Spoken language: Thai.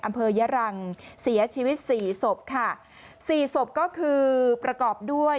อำเภอยะรังเสียชีวิตสี่ศพค่ะสี่ศพก็คือประกอบด้วย